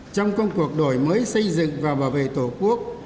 trong công cuộc đổi mới xây dựng và bảo vệ tổ quốc